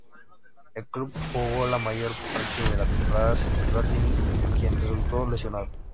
El club jugó la mayor parte de la temporada sin Platini quien resultó lesionado.